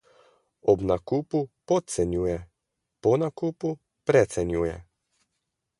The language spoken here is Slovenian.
Ob nakupu podcenjuje, po nakupu precenjuje.